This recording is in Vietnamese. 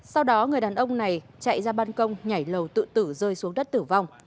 sau đó người đàn ông này chạy ra ban công nhảy lầu tự tử rơi xuống đất tử vong